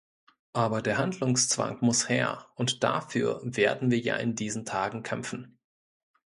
Aber der Handlungszwang muss her, und dafür werden wir ja in diesen Tagen kämpfen.